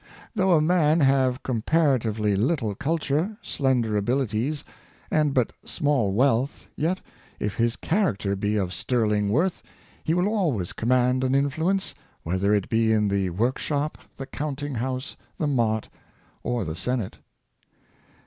Though a man have comparatively little culture, slender abilities, and but small wealth, yet, if his char acter be of sterling worth, he will always command an influence, whether it be in the workshop, the counting house, the mart, or the senate.